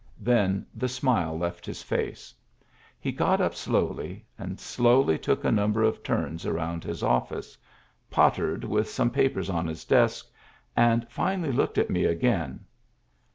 Then the smile left his face. He got up slowly, and slowly took a number of turns round his office, pottered with some papers on his desk, and finally looked at me again.